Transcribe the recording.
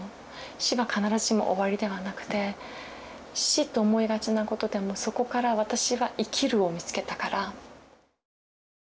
「死」は必ずしも終わりではなくて「死」と思いがちなことでもそこから私は「生きる」を見つけたから。